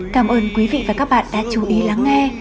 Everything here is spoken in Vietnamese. cảm ơn quý vị và các bạn đã chú ý lắng nghe